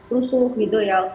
rusuh gitu ya